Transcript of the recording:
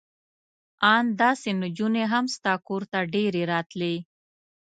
ان داسې نجونې هم ستا کور ته ډېرې راتلې.